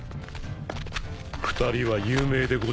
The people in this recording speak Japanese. ２人は有名でござるな。